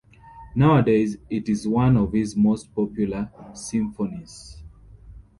Nowadays, it is one of his most popular symphonies.